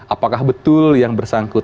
apakah betul yang bersangkutan